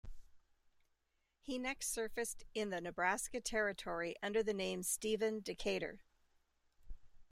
He next surfaced in the Nebraska Territory under the name Stephen Decatur.